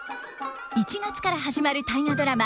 １月から始まる大河ドラマ